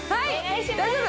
大丈夫？